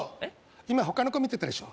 今他の子見てたでしょ？